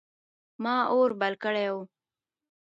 ما اور بل کړی و.